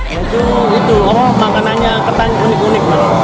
itu itu oh makanannya ketan unik unik man